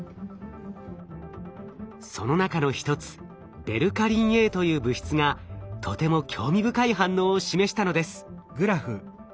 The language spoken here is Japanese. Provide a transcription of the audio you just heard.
その中の一つベルカリンＡという物質がとても興味深い反応を示したのです。